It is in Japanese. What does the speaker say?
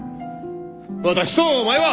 私とお前は！